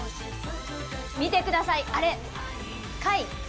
見てください、あれ！